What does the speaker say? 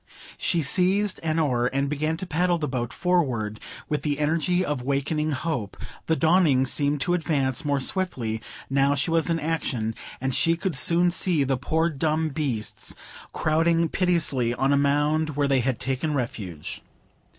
She seized an oar and began to paddle the boat forward with the energy of wakening hope; the dawning seemed to advance more swiftly, now she was in action; and she could soon see the poor dumb beasts crowding piteously on a mound where they had taken refuge.